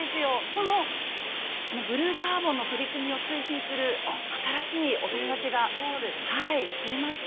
このブルーカーボンの取り組みを推進する新しいお友達が増えました。